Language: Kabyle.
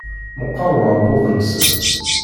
Meqqer uɛebbuḍ-nsen.